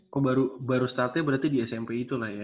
kok baru startnya berarti di smp itulah ya